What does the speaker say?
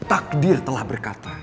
takdir telah berkata